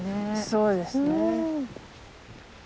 そうですね。